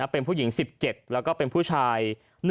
เป็นผู้หญิง๑๗แล้วก็เป็นผู้ชาย